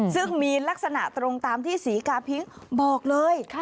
ซึ่งมีลักษณะตรงตามที่ศรีกาพิ้งบอกเลย